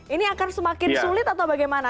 ini akan semakin sulit atau bagaimana